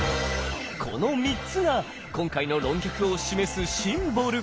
この３つが今回の論客を示すシンボル。